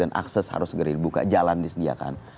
akses harus segera dibuka jalan disediakan